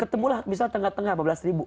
ketemulah misalnya tengah tengah lima belas ribu